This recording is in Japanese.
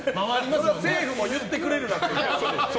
政府も言ってくれるなと。